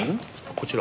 こちら？